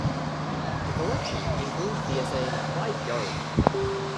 The collection includes the essay By Jove!